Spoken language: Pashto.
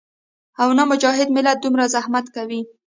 او نۀ مجاهد ملت دومره زحمت کوي